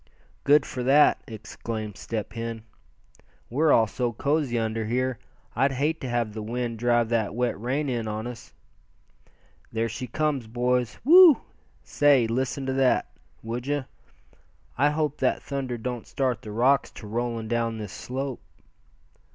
"Good for that!" exclaimed Step Hen. "We're all so cozy under here, I'd hate to have the wind drive that wet rain in on us. There she comes, boys. Whew! say, listen to that, would you? I hope that thunder don't start the rocks to rolling down this slope."